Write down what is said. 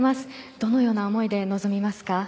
どのような思いで臨みますか？